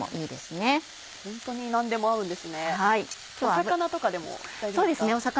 魚とかでも大丈夫ですか？